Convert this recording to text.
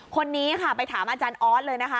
คนนี้ค่ะไปถามอาจารย์ออสเลยนะคะ